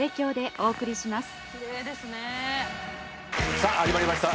さぁ始まりました